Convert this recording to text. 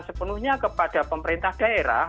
sepenuhnya kepada pemerintah daerah